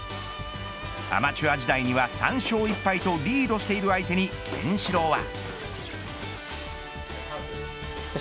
アマチュア時代には３勝１敗とリードしている相手に拳四朗は。